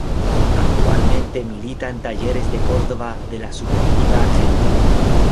Actualmente milita en Talleres de Córdoba de la Superliga Argentina.